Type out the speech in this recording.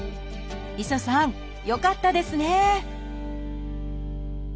磯さんよかったですね！